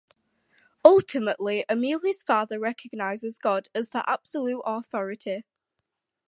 Ultimately, Emilia's father recognises God as the absolute authority.